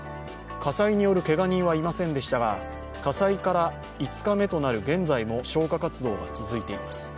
火災によるけが人はいませんでしたが、火災から５日目となる現在も消火活動が続いています。